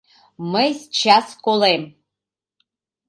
Мый счас колем...